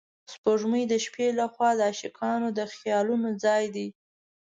سپوږمۍ د شپې له خوا د عاشقانو د خیالونو ځای دی